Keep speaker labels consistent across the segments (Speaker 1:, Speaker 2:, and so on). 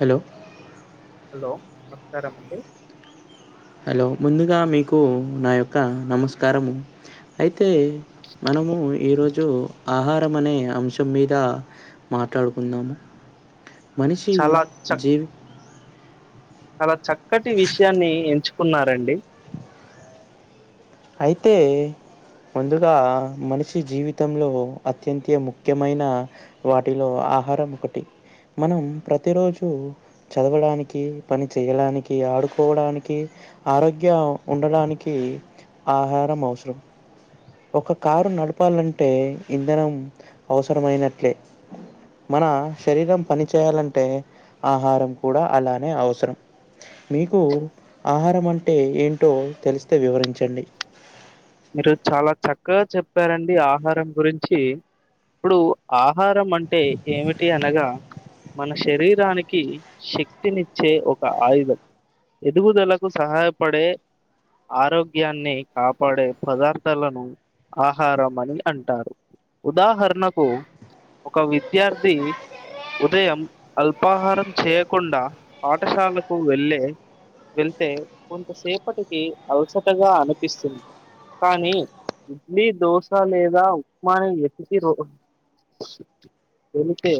Speaker 1: Hello
Speaker 2: hello నమస్కారం అండి
Speaker 1: hello ముందుగా మీకు నా యొక్క నమస్కారం అయితే తే మనము ఈరో జు ఆహారం అనే అంశం మీద మాట్లాడుకుందము మనిషి
Speaker 2: చాలా చ
Speaker 1: జీవి
Speaker 2: చాలా చక్కటి విషయాన్ని ఎంచుకున్నారండి
Speaker 1: అయితే ముందుగా మనిషి జీవితంలో అత్యంత ముఖ్యమైన వాటిలో ఆహారం ఒకటి మనం ప్రతిరోజు చదవడానికి పని చేయడానికి ఆడుకోవడానికి ఆరోగ్య ఉండడానికి ఆహారం అవసరం ఒక కారు నడపాలంటే ఇంధనం అవసరమైనట్లే మన శరీరం పనిచయాలంటే ఆహారం కూడా అలానే అవసరం మీకు ఆహారం అంటే ఏంటో తెలిస్తే వివరించండి
Speaker 2: మీరు చాలా చక్కగా చెప్పారండి ఆహారం గురించి ఇప్పుడు ఆహారం అంటే ఏమిటి అనగా మన శరీరానికి శక్తినిచ్చే ఒక ఆయుధం ఎదుగుదలకు సహాయపడే ఆరోగ్యాన్ని కాపాడే పదార్థాలను ఆహారం అని అంటారు ఉదాహరణకు ఒక విద్యార్థి ఉదయం అల్పాహారం చేయకుండా పాఠశాలకు వెళ్ళే వెళ్తే కొంతసేపటికి అలసటగా అనిపిస్తుంది కానీ ఇడ్లీ దోశ లేదా ఉప్మా ఎతికి రో ఎల్తే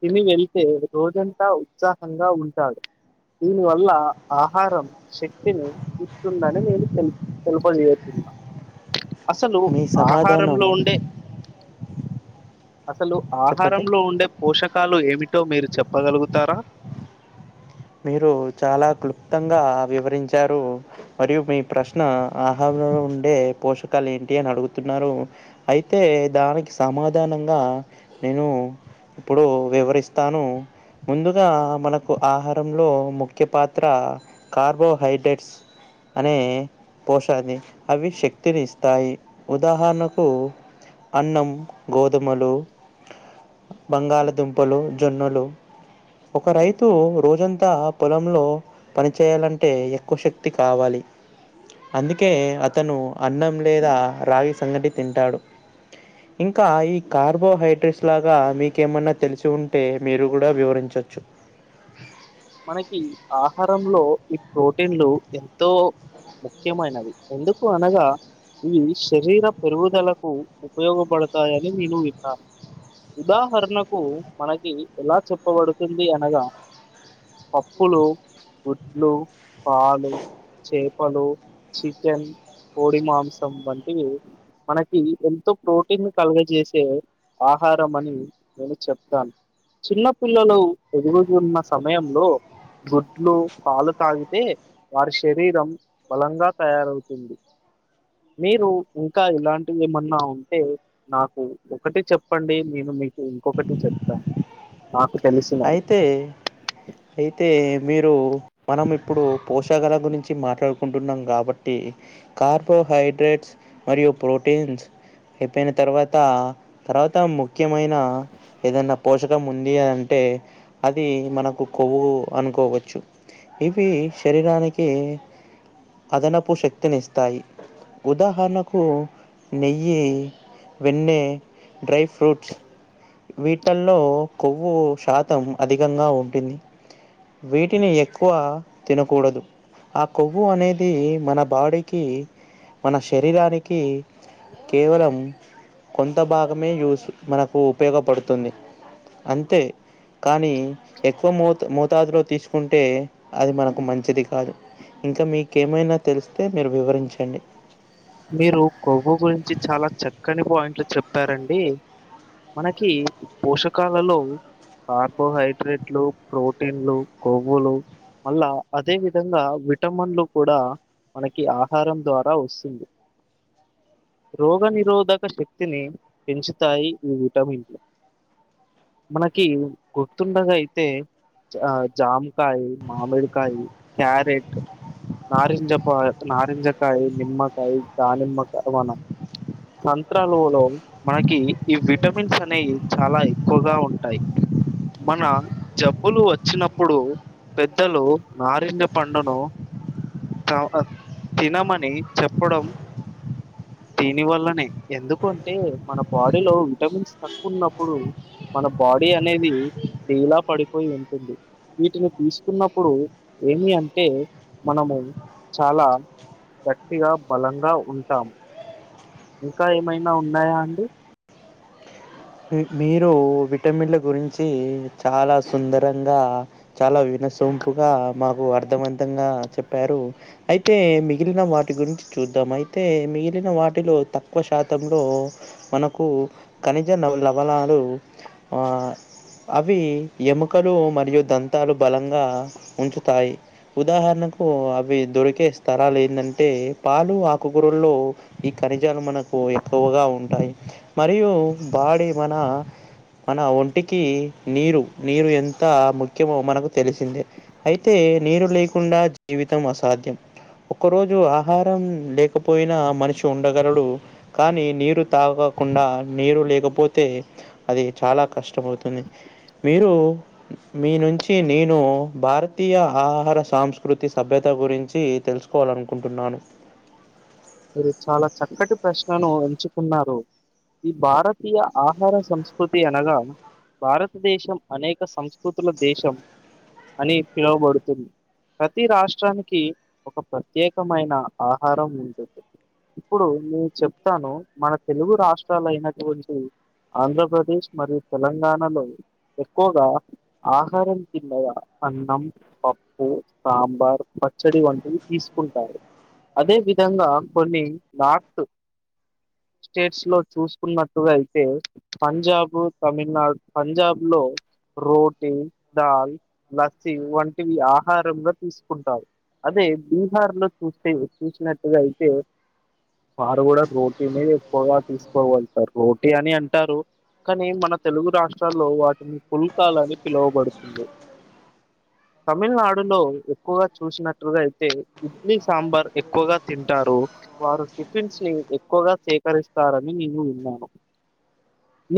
Speaker 2: తిని వెళ్తే రోజంతా ఉత్సాహంగా ఉంటాడు దీనివల్ల ఆహారం శక్తిని ఇస్తుందని మీరు తె తెలుప చేయు అసలు
Speaker 1: మీ సమాధానం
Speaker 2: ఆహారంలో ఉండే అసలు
Speaker 1: చెప్పండి
Speaker 2: ఆహారంలో ఉండే పోషకాలు ఏమిటో మీరు చెప్పగలుగుతారా
Speaker 1: మీరు చాలా క్లుప్తంగా వివరించారు మరియు మీ ప్రశ్న ఆహ ఉండే పోషకాలు ఏంటి అని అడుగుతున్నారు అయితే దానికి సమాధానంగా నేను ఇప్పుడు వివరిస్తాను ముందుగా మనకు ఆహార లో ముఖ్య పాత్ర కార్బోహైడ్రేట్స్ అనే పోశాన్ని అవి శక్తిని ఇస్తాయి ఉదాహరణకు అన్నం గోధుమలు బంగాళదుంపలు జొన్నలు ఒక రైతు రోజంతా పొలంలో పనిచేయాలంటే ఎక్కువ శక్తి కావాలి అందుకే అతను అన్నం లేదా రాగి సంగటి తింటాడు ఇంకా ఈ కార్బోహైడ్రేట్స్ లాగా మీకేమన్నా తెలిసి ఉంటే మీరు కూడా వివరించ చు
Speaker 2: మనకి ఆహారంలో ఈ ప్రోటీన్లు ఎంతో ముఖ్యమైనవి ఎందుకు అనగా ఇవి శరీర పెరుగుదలకు ఉపయోగపడతాయని నేను విన్నాను ఉదాహరణకు మనకి ఎలా చెప్పబడుతుంది అనగా పప్పులు గుడ్లు పాలు చేపలు చికెన్ కోడి మాంసం వంటివి మనకి ఎంతో ప్రోటీన్ కలగజేసే ఆ ఆహ అని నేను చెప్తాను చిన్నపిల్లలు ఎదుగు ఉన్న సమయంలో గుడ్లు పాలు తాగితే వారి శరీరం బలంగా తయారవుతుంది మీరు ఇంకా ఇలాంటివి ఏమన్నా ఉంటే నాకు ఒకటి చెప్పండి నేను మీకు ఇంకొకటి చెప్తాను నాకు తెలిసినది
Speaker 1: అయితే అయితే మీరు మనం ఇప్పుడు పోషల గురించి మాట్లాడుకుంటున్నాం కాబట్టి కార్బోహైడే హైడ్రేట్స్ మరియు ప్రోటీన్స్ అయిపోయిన తర్వాత తర్వాత ముఖ్యమైన ఏదన్నా పోషకం ఉంది అని అంటే అది మనకు కొవ్వు అనుకోవచ్చు ఇవి శరీరానికి అదనపు శక్తినిస్తాయి ఉదాహరణకు నెయ్యి వెన్నె డ్రై ఫ్రూట్స్ వీటిల్లో కొవ్వు శాతం అధికంగా ఉంటుంది వీటిని ఎక్కువ తినకూడదు ఆ కొవ్వు అనేది మన బాడీకి మన శరీరానికి కేవలం కొంత భాగమే యూస్ మనకు ఉపయోగపడుతుంది అంతే కానీ ఎక్కువ మోత మోతాదులో తీసుకుంటే అది మనకు మంచిది కాదు ఇంకా మీకేమైనా తెలిస్తే మీరు వివరించండి
Speaker 2: మీరు కొవ్వు గురించి చాలా చక్కని పాయింట్లు చెప్పారండి మనకి పోషకాలలో కార్బోహైడ్రేట్లు ప్రోటీన్లు కొవ్వులు మళ్ళా అదే విధంగా విటమిన్లు కూడా మనకి ఆహారం ద్వారా వస్తుంది రోగనిరోధక శక్తిని పెంచుతాయి ఈ విటమిన్లు మనకి గుర్తుండగా అయితే జమకాయ మామిడికాయ క్యారెట్ నారింజ నారింజకాయ నిమ్మకాయ దా నిమ్మకాయ వన సంత్రాలులో మనకి ఈ విటమిన్స్ అనేవి చాలా ఎక్కువగా ఉంటాయి మన జబ్బులు వచ్చినప్పుడు పెద్దలు నారిణ్య పండును తినమని చెప్పడం దీని వల్లనే ఎందుకంటే మన బాడీలో విటమిన్స్ తక్కువ ఉన్నప్పుడు మన బాడీ అనేది ఢీలా పడిపోయి ఉంటుంది వీటిని తీసుకున్నప్పుడు ఏమి అంటే మనము చాలా గట్టిగా బలంగా ఉంటాము ఇంకా ఏమైనా ఉన్నాయా అండి
Speaker 1: మీరు విటమిన్లు గురించి చాలా సుందరంగా చాలా వి సొపుగా మాకు అర్థవంతంగా చెప్పారు అయితే మిగిలిన వాటి గురించి చూ చాయి మిలి వాటిలో తకువ శాతంలో మన క మంచి నవలను అవి ఎముకలు మరియు దంతాలు బలంగా ఉంచుతాయి ఉదాహరణ అవి దొరికే స్థరాలు ఏంటంటే పాలు ఆకుగురల్లో ఖనిజాలు మనకు ఎక్కువగా ఉంటాయి మరియు బాడీ మన మన ఒంటికి నీరు నీరు ఎంత ముఖ్యమో మనకు తెలిసిందే అయితే నీరు లేకుండా జీవితం అసాధ్యం ఒక్క రోజు ఆహారం లేకపోయినా మనిషి ఉండగలడు కానీ నీరు తాగ కుండా నీరు లేకపోతే అది చాలా కష్టమవుతుంది మీరు మీ నుం చి నేను భారతీయ ఆహార సంస్కృతి సభ్యత గురించి తెలుసుకోవాలనుకుంటు న్నాను
Speaker 2: మీరు చాలా చక్కటి ప్రశ్నను ఎంచుకున్నారు ఈ భారతీయ ఆహార సంస్కృతి అనగా భారతదేశం అనేక సంస్కృతుల దేశం అని పిలువబడుతుంది ప్రతి రాష్ట్రానికి ఒక ప్రత్యేకమైన ఆహారం ఉ ఇప్పుడు నేను చెప్తాను మన తెలుగు రాష్ట్రాలయినటువంటి ఆంధ్రప్రదేశ్ మరియు తెలంగాణలో ఎక్కువగా ఆహారం [unintelligible] అన్నం పప్పు సాంబార్ పచ్చడి వంటలు ఈ కుంటారు అదే విధంగా కొన్ని నార్త్ స్టేట్స్ లో చూసుకున్నట్టుగా అయితే పంజాబ్ తమిళనాడు పంజాబ్ లో రోటీ దాల్ లస్సి వంటివి ఆహారంలో తీసుకుంటారు అదే బీహార్ లో చూస్తే చూసినట్టుగా అయితే వారు కూడా రోటీనే ఎక్కువగా తీసుకోగలుతారు రోటీ అని అంటారు కానీ మన తెలుగు రాష్ట్రాల్లో వాటిని పుల్కాలని పిలువబడుతుంది తమిళనాడులో ఎక్కువగా చూసినట్లుగా అయితే ఇడ్లీ సాంబార్ ఎక్కువగా తింటారు వారు టిఫిన్స్ ని ఎక్కువగా సేకరిస్తారని నేను విన్నాను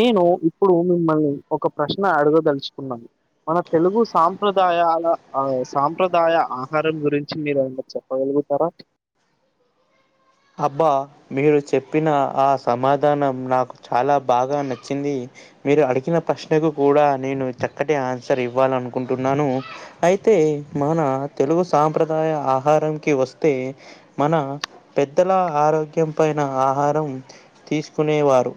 Speaker 2: నేను ఇప్పుడు మిమ్మల్ని ఒక ప్రశ్న అడగదలుచుకున్నాను మన తెలుగు సాంప్రదాయాల ఆ సాంప్రదాయ ఆహారం గురించి మీరు ఏమన్నా చెప్పగలు గుతార
Speaker 1: అబ్బా మీరు చెప్పిన ఆ సమాధానం నాకు చాలా బాగా నచ్చింది మీరు అడిగిన ప్రశ్నకు కూడా నేను చక్కటి ఆన్సర్ ఇవ్వాలనుకుంటున్నాను అయి తే మన తెలుగు సాంప్రదాయ ఆహారంకి వస్తే మన పెద్దల ఆరోగ్యం పైన ఆహారం తీసుకునేవారు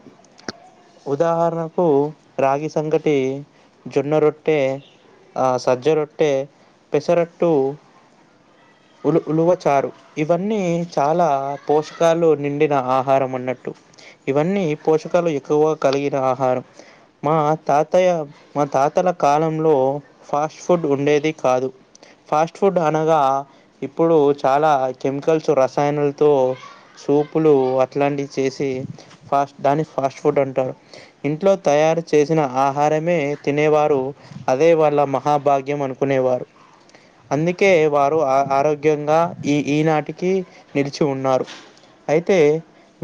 Speaker 1: ఉదాహరణకు రాగి సంగటి జొన్న రొట్టె సజ్జ రొట్టె పెసరట్టు ఉలు ఉలువచారు ఇవన్నీ చాలా పోషకాలు నిండిన ఆహారం అన్నట్టు ఇవన్నీ పోషకాలు ఎక్కువ కలిగిన ఆహారం మా తాతయ్య మా తాతల కాలంలో ఫాస్ట్ ఫుడ్ ఉండేది కాదు ఫాస్ట్ ఫుడ్ అనగా ఇప్పుడు చాలా కెమికల్స్ రసాయనాలతో సూపులు అట్లాంటివి చేసి ఫాస్ట్ దాని ఫాస్ట్ ఫుడ్ అంటారు ఇంట్లో తయారు చేసిన ఆహారమే తినేవారు అదే వాళ్ళ మ హా భాగ్యం అనుకునేవారు అందుకే వారు ఆ ఆరోగ్యంగా ఈ ఈనాటికి నిలిచి ఉన్నారు అయితే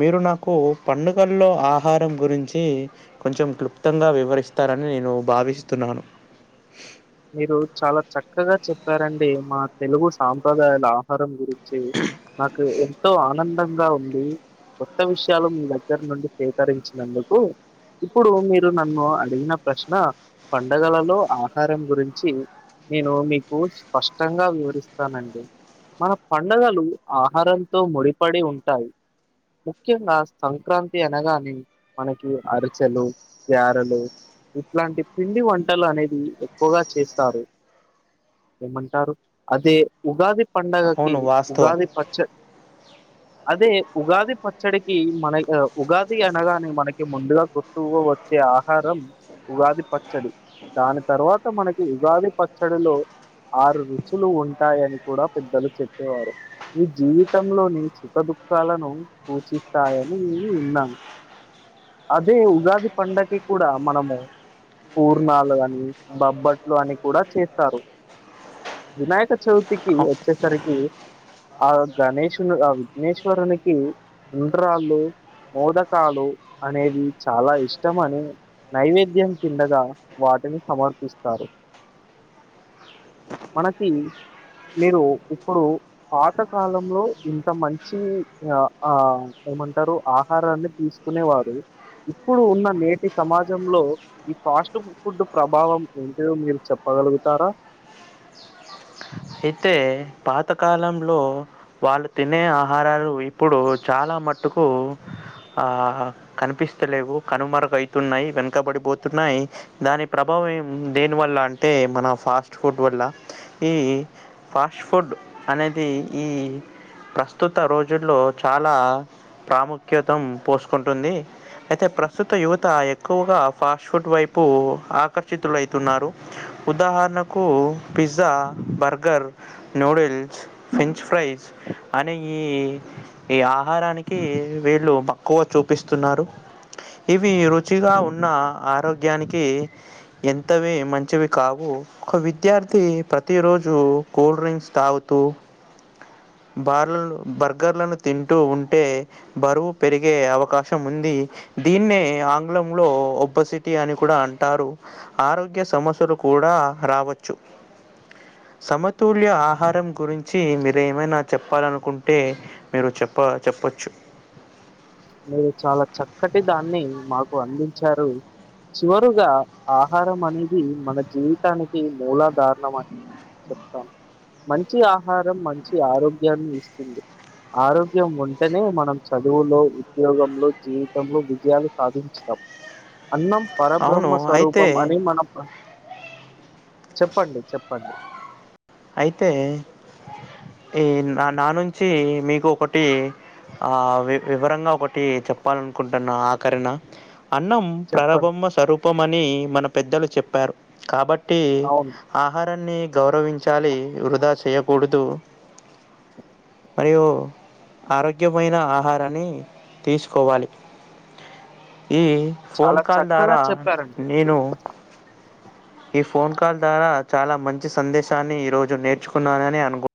Speaker 1: మీరు నాకు పండుగల్లో ఆ ఆహారం గురించి కొంచెం క్లుప్తంగా వివరిస్తారని నేను భావిస్తున్నాను
Speaker 2: మీరు చాలా చక్కగా చెప్పారండి మా తెలుగు సాంప్రదాయాల ఆహారం గురిం చి మాకు ఎంతో ఆనందంగా ఉంది కొత్త విషయాలు మీ దగ్గర నుండి సేకరించినందుకు ఇప్పుడు మీరు నన్ను అడిగిన ప్రశ్న పండగలలో ఆహారం గురించి నేను మీకు స్పష్టంగా వివరిస్తానండి మన పండగలు ఆహారంతో ముడిపడి ఉంటాయి ముఖ్యంగా సంక్రాంతి అనగానే మనకి అరిసెలు గారెలు ఇట్లాంటి పిండి వంటలు అనేది ఎక్కువగా చేస్తారు ఏమంటారు అదే ఉగాది పండుగకి
Speaker 1: అవును వాస్తవం
Speaker 2: ఉగాది పచ్చ
Speaker 1: [unintelligible]
Speaker 2: అదే ఉగాది పచ్చడికి మన ఉగాది అనగానే మనకి ముందుగా కొట్టు వచ్చే ఆహారం ఉగాది పచ్చడి దాని తర్వాత మనకి ఉగాది పచ్చడిలో ఆరు రుచులు ఉంటాయని కూడా పెద్దలు చెప్పేవారు మీ జీవితంలోని సుఖ దుఃఖాలను సూచిస్తాయని నేను ఉన్నాను అదే ఉగాది పండకి కూడా మనము పూర్ణాలు అని బబ్బట్లు అని కూడా చేస్తారు వినాయక చవితి కి
Speaker 1: అ-
Speaker 2: వచ్చేసరికి ఆ గణేషుని ఆ విఘ్నేశ్వరునికి ఉండ్రాళ్ళు మోదకాలు అనేది చాలా ఇష్టం అనే నైవేద్యం కిందగా వాటిని సమర్పిస్తారు మనకి మీరు ఇప్పుడు పాత కాలంలో ఇంత మంచి ఆ ఆ ఏమంటారు ఆహారాన్ని తీసుకునే వారు ఇప్పుడు ఉన్న నేటి సమాజంలో ఈ ఫాస్ట్ ఫుడ్ ప్రభావం ఏంట మీరు చెప్పగలుగుతారా
Speaker 1: అయితే పాతకాలంలో వాళ్ళు తినే ఆహారాలు ఇప్పుడు చాలా మట్టుకు ఆ కనిపిస్తలేవు కనుమరగవుతున్నాయి వెనుకబడిపోతున్నాయి దాని ప్రభా దేనివల్ల అంటే మన ఫాస్ట్ ఫుడ్ వల్ల ఈ ఫాస్ట్ ఫుడ్ అనేది ఈ ప్రస్తుత రోజుల్లో చాలా ప్రాముఖ్యత పోసుకుంటుంది అయితే ప్రస్తుత యువత ఎక్కువగా ఫాస్ట్ ఫుడ్ వైపు ఆకర్షితులు అయితున్నారు ఉదాహరణకు pizza, burger burger noodles French fries అనే ఈ ఆహారాని కి వీళ్ళు మక్కువ చూపిస్తున్నారు ఇవి రుచిగా ఉన్న ఆరోగ్యానికి ఎంతవి మంచివి కావు ఒక విద్యార్థి ప్రతిరోజు కూల్డ్రింక్స్ తాగుతూ బార్ బర్గర్లను తింటూ ఉంటే బరువు పెరిగే అవకాశం ఉంది దీన్నే ఆంగ్లంలో ఒబ్బసిటీ అని కూడా అంటారు ఆరోగ్య సమస్యలు కూడా రావచ్చు సమతుల్య ఆహారం గురించి మీరేమైనా చెప్పాలనుకుంటే మీరు చెప్ప చెప్పచ్చు
Speaker 2: మీరు చాలా చక్కటి దాన్ని మాకు అందించారు చివరుగా ఆహారం అనేది మన జీవితానికి మూలధారణం అని చెప్తాను మంచి ఆహారం మంచి ఆరోగ్యాన్ని ఇస్తుంది ఆరోగ్యం ఉంటేనే మనం చదువులో ఉద్యోగంలో జీవితంలో విజయాన్ని సాధించటం అన్నం
Speaker 1: అవును.
Speaker 2: పరబ్రహ్మ
Speaker 1: అయితే
Speaker 2: స్వరూపం అని మన చెప్పండి చెప్పండి
Speaker 1: అయితే ఈ నా నా నుంచి మీకు ఒకటి ఆ వి వివరంగా ఒకటి చెప్పాలనుకుంటున్నా ఆఖరిన అన్నం
Speaker 2: చెప్పండి.
Speaker 1: ప్రబమ్మ స్వరూపం అని మన పెద్దలు చెప్పారు కాబట్ ట్టి
Speaker 2: అవును.
Speaker 1: ఆహారాన్ని గౌరవించాలి వృధా చేయకూడదు మరియు ఆరోగ్యమైన ఆహారాన్ని తీసుకోవాలి ఈ ఫోన్
Speaker 2: చాలా
Speaker 1: కాల్
Speaker 2: చక్కగా
Speaker 1: ద్వారా
Speaker 2: చెప్పారండి.
Speaker 1: నేను ఈ ఫోన్ కాల్ ద్వారా చాలా మంచి సందేశాన్ని ఈరోజు నేర్చుకున్నానని అనుకు